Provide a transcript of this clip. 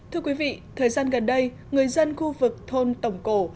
thưa quý vị thời gian gần đây người dân khu vực thôn tổng cổ